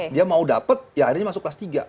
dia mau dapat ya akhirnya masuk kelas tiga